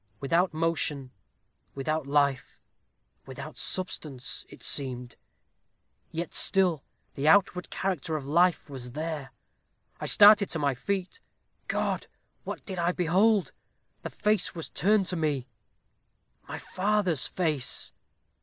Without motion without life without substance, it seemed; yet still the outward character of life was there. I started to my feet. God! what did I behold? The face was turned to me my father's face!